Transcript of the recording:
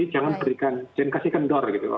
insya allah kita bisa